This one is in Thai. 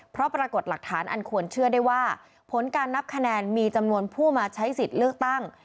เพราะปรากฏหลักฐานอันควรเชื่อได้ว่าผลการนับคะแนนมีจำนวนผู้มาใช้สิทธิ์เลือกตั้ง